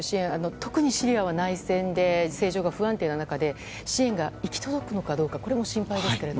特にシリアは内戦で政情が不安定な中で支援が行き届くのかどうかも心配ですけれども。